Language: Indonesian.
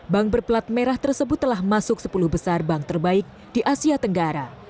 bank berplat merah tersebut telah masuk sepuluh besar bank terbaik di asia tenggara